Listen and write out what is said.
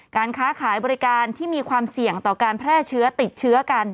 การค้าขายบริการที่มีความเสี่ยงต่อการแพร่เชื้อติดเชื้อกัน